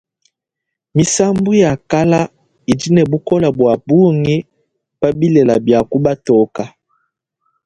Misambu ya kala idi ne bukola bua bungi pa bilela bia ku batoka.